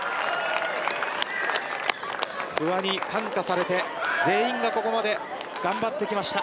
不破に感化されて全員がここまで頑張ってきました。